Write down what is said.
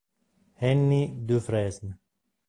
Henny Dufresne